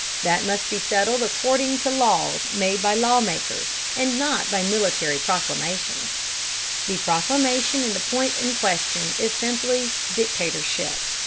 That must be settled according to laws made by law makers, and not by military proclamations. The proclamation in the point in question is simply 'dictatorship.'